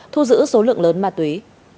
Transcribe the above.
thu giữ số lượng lớn ma túy